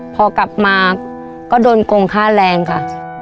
พอกลับมาก็โดนโกงค่าแรงค่ะ